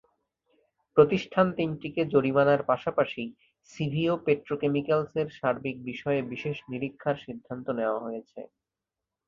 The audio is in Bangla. প্রতিষ্ঠান তিনটিকে জরিমানার পাশাপাশি সিভিও পেট্রোকেমিক্যালসের সার্বিক বিষয়ে বিশেষ নিরীক্ষার সিদ্ধান্ত নেওয়া হয়েছে।